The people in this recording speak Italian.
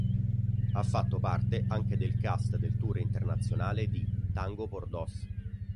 Ha fatto parte anche del cast del tour internazionale di "Tango por Dos".